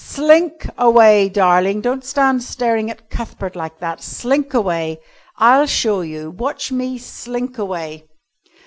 Slink away, darling. Don't stand staring at Cuthbert like that. Slink away. I'll show you. Watch me slink away."